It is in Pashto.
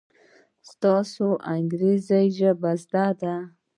ستا انګرېزي ژبه زده ده!